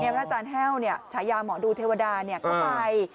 พระอาจารย์แห้วฉายาหมอดูเทวดาก็ไป